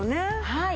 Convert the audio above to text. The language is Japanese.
はい。